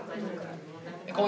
こういう。